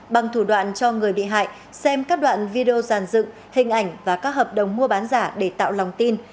bằng thủ đoạn cho người bị hại xem các đoạn video dàn dựng hình ảnh và các hợp đồng mua bán giả để tạo lòng tin